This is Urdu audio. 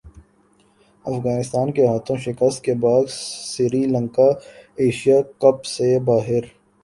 افغانستان کے ہاتھوں شکست کے بعد سری لنکا ایشیا کپ سے باہر